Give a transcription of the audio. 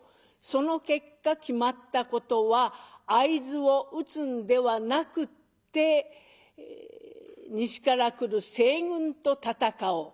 その結果決まったことは「会津を討つんではなくって西から来る西軍と戦おう。